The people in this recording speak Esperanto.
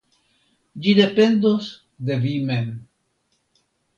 Ĝi dependos de vi mem.